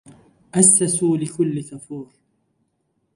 أسسوا لكل كفور